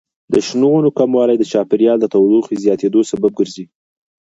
د شنو ونو کموالی د چاپیریال د تودوخې زیاتیدو سبب ګرځي.